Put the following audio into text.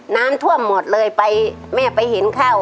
น้ำท่วมหมดเลยไปแม่ไปเห็นข้าว